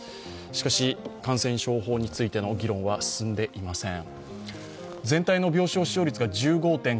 しかし感染症法についての議論は進んでいません。